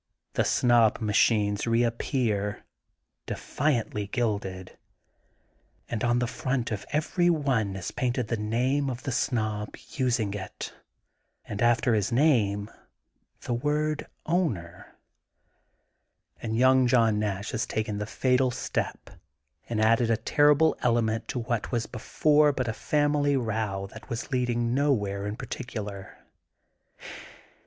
The Snob machines reappear, defiantly gilded, and on the front of every one is painted the name 150 THE GOLDEN BOOK OF SPRINGFIELD of fhe Snob using it, and after his name the word :—^* Owner. '* And y oimg John Nash has taken the fatal step and added a terrible ele ment to what was before but a family row that was leading nowhere in particular.